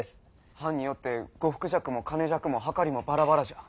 藩によって呉服尺も曲尺も秤もバラバラじゃ。